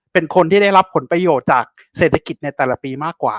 เป็นคนที่ได้รับผลประโยชน์จากเศรษฐกิจในแต่ละปีมากกว่า